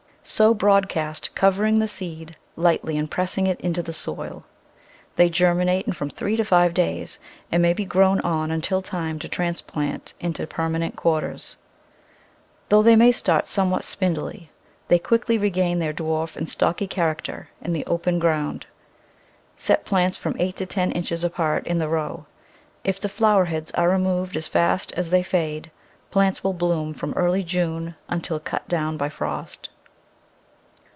Sow broadcast, covering the seed lightly and pressing it into the soil. They germinate in from three to five days, and may be grown on until time to transplant into permanent quarters. Though they may start somewhat spindly, they quickly regain their dwarf and stocky character in the open ground. Set plants from eight to ten inches apart in the row. If the flower heads are removed as fast as they fade plants will bloom from early June until cut down by frost.